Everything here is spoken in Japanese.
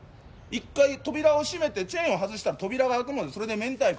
一回扉を閉めてチェーンを外したら扉が開くのでそれでめんたいこ